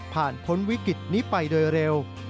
พ้นวิกฤตนี้ไปโดยเร็ว